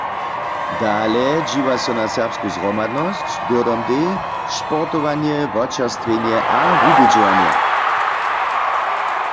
Dale dźiwa so na serbsku zhromadnosć, dyrdomdej, sportowanje, wočerstwjenje a wubědźowanje.